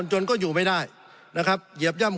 สงบจนจะตายหมดแล้วครับ